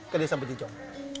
ke desa petitjong